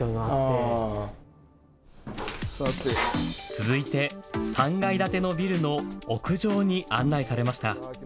続いて３階建てのビルの屋上に案内されました。